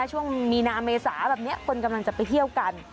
ช่วงมีนาเมษาแบบนี้คนกำลังจะไปเที่ยวกัน